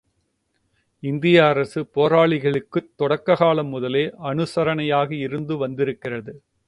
இந்திய அரசு போராளிகளுக்குத் தொடக்கக் காலம் முதலே அனுசரணையாக இருந்து வந்திருக்கிறது.